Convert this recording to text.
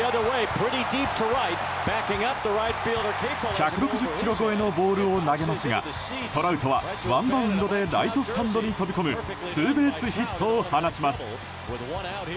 １６０キロを超えのボールを投げますがトラウトは、ワンバウンドでライトスタンドに飛び込むツーベースヒットを放ちます。